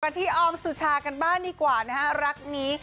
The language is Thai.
ที่ออมสุชากันบ้างดีกว่านะฮะรักนี้